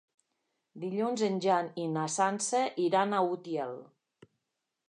Dilluns en Jan i na Sança iran a Utiel.